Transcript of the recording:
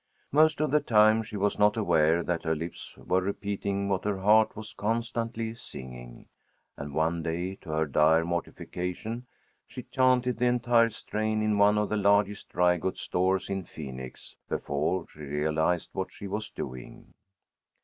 Most of the time she was not aware that her lips were repeating what her heart was constantly singing, and one day, to her dire mortification, she chanted the entire strain in one of the largest dry goods stores in Phoenix, before she realized what she was doing.